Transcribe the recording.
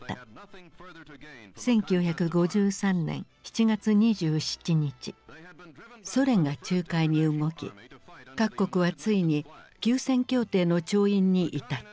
１９５３年７月２７日ソ連が仲介に動き各国はついに休戦協定の調印に至った。